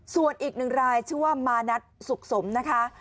ส่วนอีกหนึ่งรายชื่อว่ามานัทสุขสมนะคะ